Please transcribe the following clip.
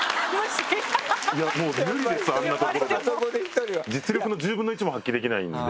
無理ですあんな所で実力の１０分の１も発揮できないんで。